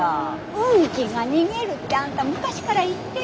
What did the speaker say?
運気が逃げるってあんた昔から言ってるでしょ？